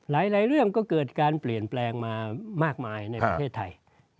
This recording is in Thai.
หลายเรื่องก็เกิดการเปลี่ยนแปลงมามากมายในประเทศไทย